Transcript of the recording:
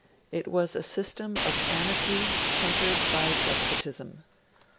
It was a system of anarchy tempered by despotism.